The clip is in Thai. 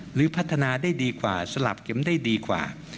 หรือพัฒนาได้ดีกว่าสลับเข็มได้ดีกว่า